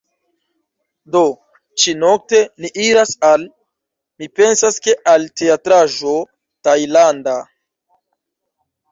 Do, ĉi-nokte ni iras al... mi pensas, ke al teatraĵo tajlanda